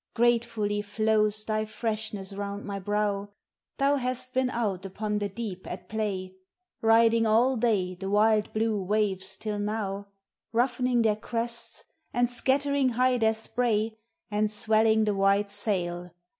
Gratefully flows thy freshness round my brow; Thou hast been out upon the deep at play, Riding all day the wild blue waves till now, LIGHT: DAY: NIGHT. $$ Roughening their crests, and scattering high their spray, And swelling the white sail.